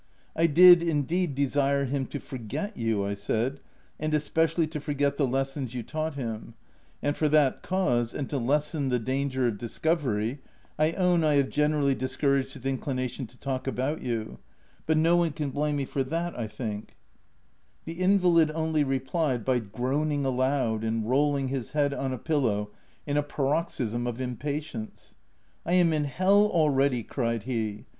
•* I did indeed desire him to forget you," I said, " and especially to forget the lessons you taught him ; and for that cause, and to lessen the danger of discovery, I own I have generally discouraged his inclination to talk about you ;— but no one can blame me for that, I think/' 206 THE TENANT The invalid only replied by groaning aloud and rolling his head on a pillow in a paroxism of impatience. " I am in hell, already !" cried he.